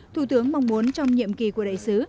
thủ tướng mong muốn trong nhiệm kỳ của đại sứ